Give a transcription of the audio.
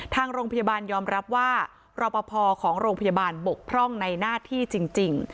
ทางโรงพยาบาลยอมรับว่ารอปภของโรงพยาบาลบกพร่องในหน้าที่จริง